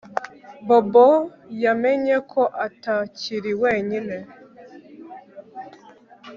Bobo yamenye ko atakiri wenyine